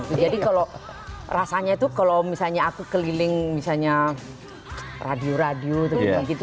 jadi kalau rasanya itu kalau misalnya aku keliling misalnya radio radio gitu